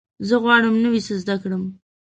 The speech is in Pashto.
زه غواړم نوی څه زده کړم.